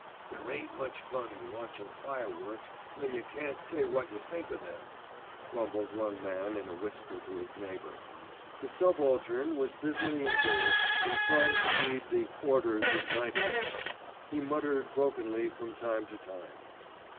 "There ain't much fun in watchin' fireworks when yer can't say wot yer think o' them," grumbled one man in a whisper to his neighbour. The subaltern was busily engaged in trying to read the "Orders of Night Attack." He muttered brokenly from time to time.